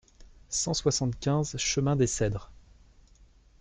cent soixante-quinze chemin des Cedres